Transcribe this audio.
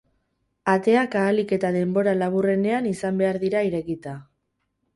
Ateak ahalik eta denbora laburrenean izan behar dira irekita.